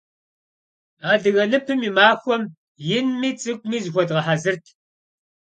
Адыгэ ныпым и махуэм инми цӏыкӏуми зыхуэдгъэхьэзырт.